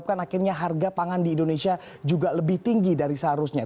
kan akhirnya harga pangan di indonesia juga lebih tinggi dari seharusnya